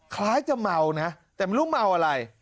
คล้ายจะเมานะแต่ไม่รู้เมาอะไร